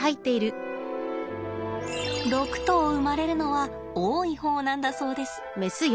６頭生まれるのは多い方なんだそうです。